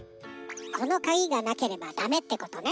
このカギがなければダメってことね。